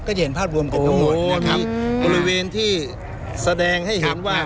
ก็จะเห็นภาพวงกับประจำนนะครับโอมีบริเวณที่สะแดงให้เห็นไว้